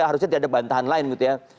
harusnya tidak ada bantahan lain gitu ya